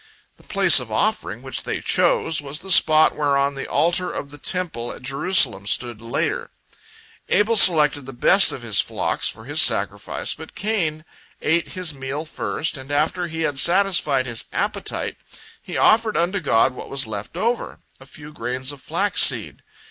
The place of offering which they chose was the spot whereon the altar of the Temple at Jerusalem stood later. Abel selected the best of his flocks for his sacrifice, but Cain ate his meal first, and after he had satisfied his appetite, he offered unto God what was left over, a few grains of flax seed.